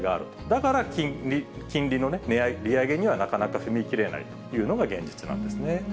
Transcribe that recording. だから金利の利上げにはなかなか踏み切れないというのが現実なんですね。